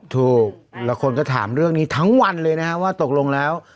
ถูกแล้วคนก็ถามเรื่องนี้ทั้งวันเลยนะครับว่าตกลงแล้ว